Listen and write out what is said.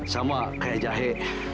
sama kayak jahe